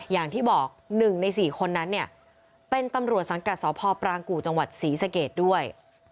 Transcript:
อย่างที่บอก๑ใน๔คนนั้นเนี่ยเป็นตำรวจสังกัดสพปรางกู่จังหวัดศรีสเกตด้วย